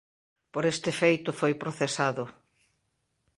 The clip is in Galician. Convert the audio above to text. Por este feito foi procesado.